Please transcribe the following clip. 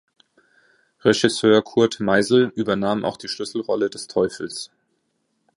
Regisseur Kurt Meisel übernahm auch die Schlüsselrolle des Teufels.